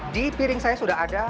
di piring saya sudah ada